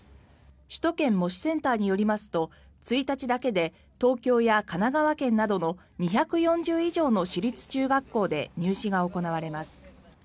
首都圏模試センターによりますと１日だけで東京や神奈川県などの２４０以上の私立中学校で入試が行われます。